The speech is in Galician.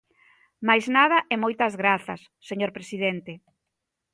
Máis nada e moitas grazas, señor presidente.